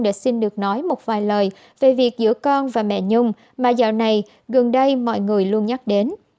đã xin được nói một vài lời về việc giữa con và mẹ nhung mà dạo này gần đây mọi người luôn nhắc đến